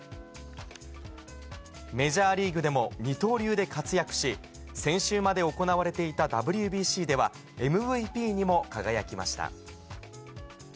メジャーリーグでも二刀流で活躍し、先週まで行われていたＷＢＣでは、ＭＶＰにも輝きました。